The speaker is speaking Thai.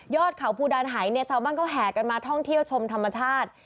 ยอดเข่าภูดานหายเจ้าบ้านก็แหกันมาท่องเที่ยวชมธรรมชาติ